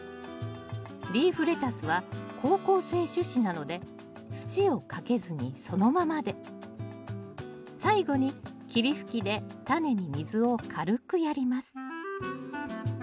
リーフレタスは好光性種子なので土をかけずにそのままで最後に霧吹きでタネに水を軽くやります